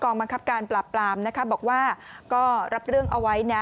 กรองบังคับการปลาบบ้างนะคะบอกว่าก็รับเรื่องไว้นะ